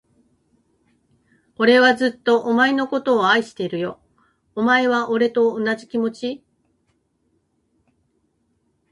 俺はずっと、お前のことを愛してるよ。お前は、俺と同じ気持ち？